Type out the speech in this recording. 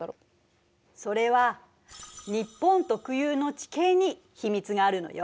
それは日本特有の地形に秘密があるのよ。